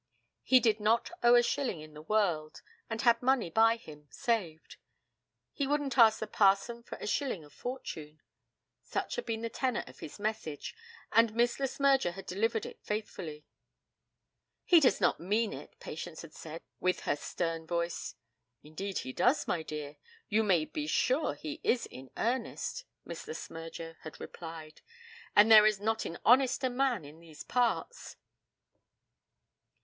He did not owe a shilling in the world, and had money by him saved. He wouldn't ask the parson for a shilling of fortune. Such had been the tenor of his message, and Miss Le Smyrger had delivered it faithfully. 'He does not mean it,' Patience had said with her stern voice. 'Indeed he does, my dear. You may be sure he is in earnest,' Miss Le Smyrger had replied; 'and there is not an honester man in these parts.'